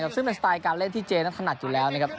ซึ่งเป็นสไตล์การเล่นที่เจนั้นถนัดอยู่แล้วนะครับ